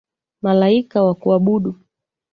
Malaika wakuabudu.